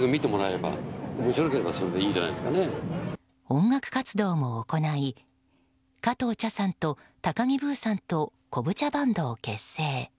音楽活動も行い加藤茶さんと、高木ブーさんとこぶ茶バンドを結成。